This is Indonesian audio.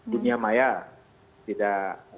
dunia maya tidak